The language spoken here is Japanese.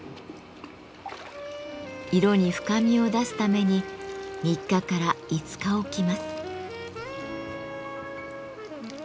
色に深みを出すために３日から５日置きます。